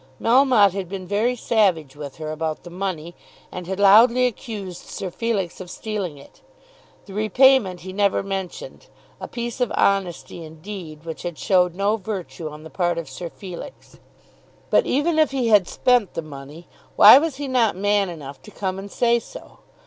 Melmotte had been very savage with her about the money, and had loudly accused Sir Felix of stealing it. The repayment he never mentioned, a piece of honesty, indeed, which had showed no virtue on the part of Sir Felix. But even if he had spent the money, why was he not man enough to come and say so?